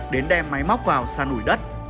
đến đem máy móc vào xa núi đất